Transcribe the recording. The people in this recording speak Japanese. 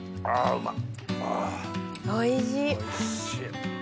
うまい！